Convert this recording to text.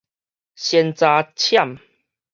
山楂攕